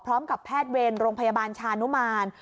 พร้อมกับแพทย์เวรโรงพยาบาลชานุมาน